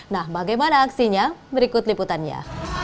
nah bagaimana aksinya berikut liputannya